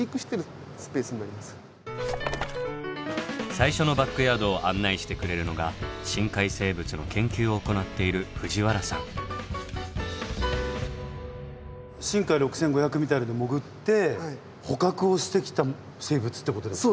最初のバックヤードを案内してくれるのが深海生物の研究を行っているしんかい６５００みたいなので潜って捕獲をしてきた生物ってことですか？